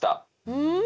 うん！